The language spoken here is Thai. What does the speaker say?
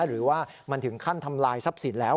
หรือว่ามันถึงขั้นทำลายทรัพย์สินแล้ว